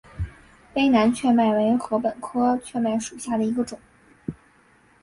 卑南雀麦为禾本科雀麦属下的一个种。